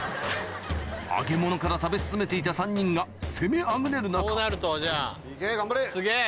揚げ物から食べ進めていた３人が攻めあぐねる中行け頑張れ！